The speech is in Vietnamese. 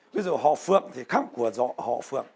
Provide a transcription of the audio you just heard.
ví dụ họ phượng thì khắp của họ phượng